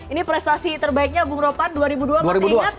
ini prestasi terbaiknya bung ropan dua ribu dua